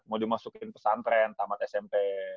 mau dimasukin pesantren tamat smp